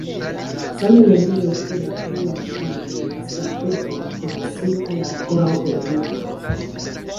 Same nenio pri la pliaj ŝanĝoj en la Statuto, promesitaj ankoraŭ en Nitro.